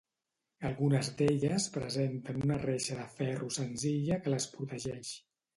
Algunes d’elles presenten una reixa de ferro senzilla que les protegeix.